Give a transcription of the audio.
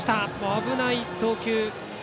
危ない投球。